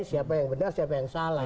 siapa yang benar siapa yang salah